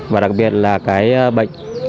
và đặc biệt là bệnh